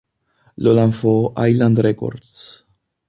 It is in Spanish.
Lo lanzó Island Records.